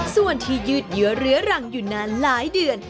ส่วนที่ยืดเยื้อเรื้อรังอยู่นานหลายเดือน